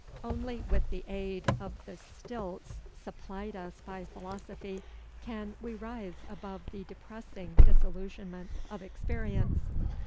Only with the aid of the stilts supplied us by philosophy can we rise above the depressing disillusionment of experience.